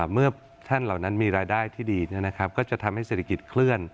เมื่อท่านเหล่านั้นมีรายได้ที่ดีก็จะทำให้เศรษฐกิจเคลื่อน